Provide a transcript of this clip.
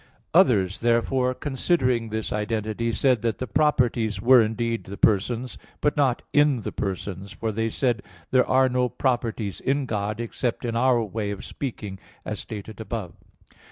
Others, therefore, considering this identity, said that the properties were indeed the persons; but not "in" the persons; for, they said, there are no properties in God except in our way of speaking, as stated above (Q.